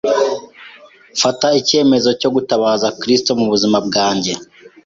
mfata icyemezo cyo gutabaza Kristo mu buzima bwanjye.